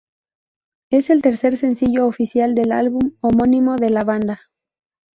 Es el tercer sencillo oficial del álbum homónimo de la banda.